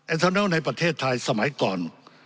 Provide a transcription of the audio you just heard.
เทอร์เนอลในประเทศไทยสมัยก่อน